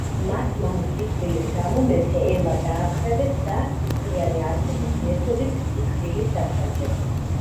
მათ მამის სიკვდილის გამო მეფე ელა დაატყვევეს და სისხლიანი არწივის მეთოდით სიკვდილით დასაჯეს.